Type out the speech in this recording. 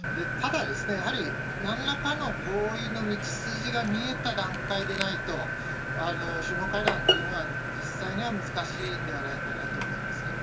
ただ、やはりなんらかの合意の道筋が見えた段階でないと、首脳会談というのは実際には難しいんではないかなと思います。